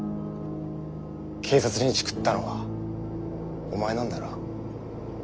警察にチクったのはお前なんだろ？